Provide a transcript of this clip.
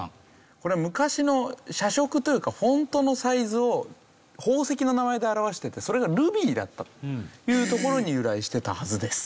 これは昔の写植というかフォントのサイズを宝石の名前で表していてそれがルビーだったというところに由来していたはずです。